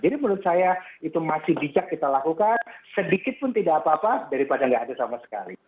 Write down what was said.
jadi menurut saya itu masih bijak kita lakukan sedikit pun tidak apa apa daripada nggak ada sama sekali